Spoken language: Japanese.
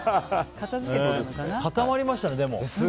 固まりましたね、でも。